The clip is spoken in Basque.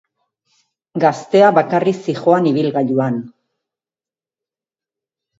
Gaztea bakarrik zihoan ibilgailuan.